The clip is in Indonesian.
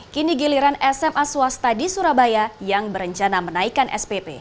kini giliran sma swasta di surabaya yang berencana menaikkan spp